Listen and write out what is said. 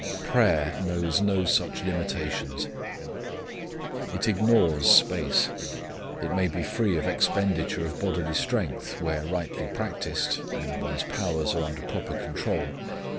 Prayer knows no such limitations. It ignores space. It may be free of expenditure of bodily strength, where rightly practiced, and one's powers are under proper control.